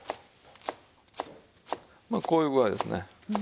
まあこういう具合ですね。